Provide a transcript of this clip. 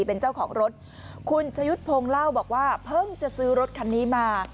เป็นเจ้าของรถคุณชะยุทธ์พงศ์เล่าบอกว่าเพิ่งจะซื้อรถคันนี้มา